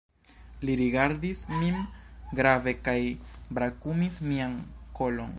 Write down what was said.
Li rigardis min grave kaj brakumis mian kolon.